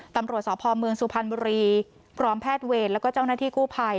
ตำรวจสพเมืองสุพรรณบุรีพร้อมแพทย์เวรแล้วก็เจ้าหน้าที่กู้ภัย